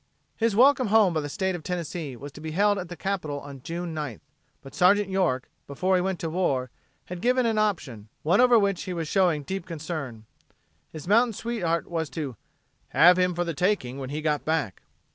His welcome home by the State of Tennessee was to be held at the capital on June 9th. But Sergeant York, before he went to war, had given an option one over which he was showing deep concern. His mountain sweetheart was to "have him for the taking when he got back."